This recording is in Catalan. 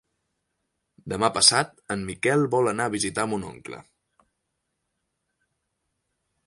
Demà passat en Miquel vol anar a visitar mon oncle.